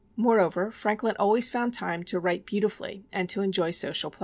Moreover, Franklin always found time to write beautifully and to enjoy social pleasures.